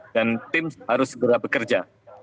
dan tim harus segera bekerja